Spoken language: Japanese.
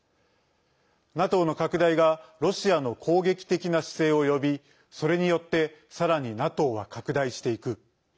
ＮＡＴＯの拡大がロシアの攻撃的な姿勢を呼びそれによってさらにＮＡＴＯは拡大していく。